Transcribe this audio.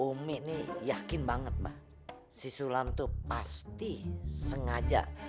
umi nih yakin banget bah si sulam tuh pasti sengaja